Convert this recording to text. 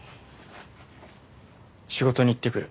仕事に行ってくる。